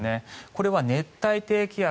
これは熱帯低気圧。